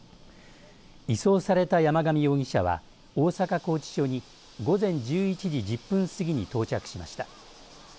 移送された山上容疑者は大阪拘置所に午前１１時１０分過ぎに到着しました。